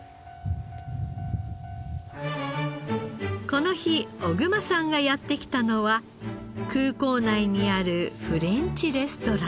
この日小熊さんがやって来たのは空港内にあるフレンチレストラン。